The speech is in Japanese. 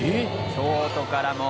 京都からも。